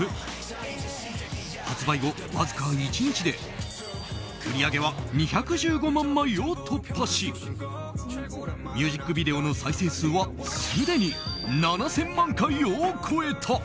発売後わずか１日で売り上げは２１５万枚を突破しミュージックビデオの再生数はすでに７０００万回を超えた。